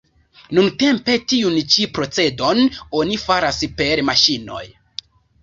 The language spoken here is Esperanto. Nuntempe tiun ĉi procedon oni faras per maŝinoj.